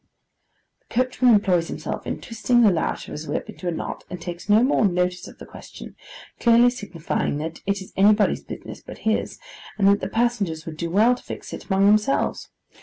The coachman employs himself in twisting the lash of his whip into a knot, and takes no more notice of the question: clearly signifying that it is anybody's business but his, and that the passengers would do well to fix it, among themselves.